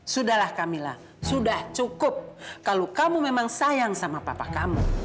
sudahlah kamila sudah cukup kalau kamu memang sayang sama papa kamu